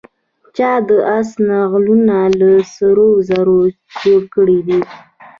چا د آس نعلونه له سرو زرو جوړ کړي دي.